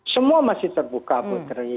semua masih terbuka putri